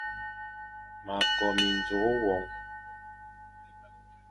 Ma ko minzùkh won.